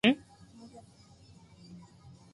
許そうとは思いませんか